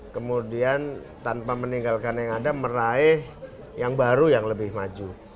kemudian tanpa meninggalkan yang ada meraih yang baru yang lebih maju